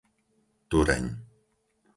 Tureň